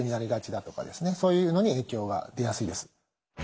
そういうのに影響が出やすいです。